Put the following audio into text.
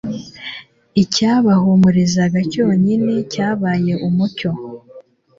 icyabahumurizaga cyonyine cyabaye umucyo